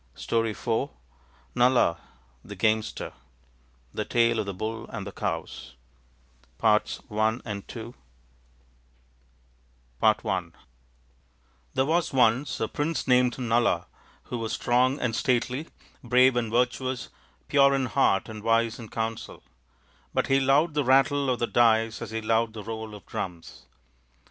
STORY IV NALA THE GAMESTER The Tale of the "Bull and the Cows NALA THE GAMESTER THERE was once a prince named Nala who was strong and stately, brave and virtuous, pure in heart and wise in counsel ; but he loved the rattle of the dice as he loved the roll of drums.